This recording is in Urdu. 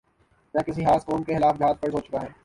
یا کسی خاص قوم کے خلاف جہاد فرض ہو چکا ہے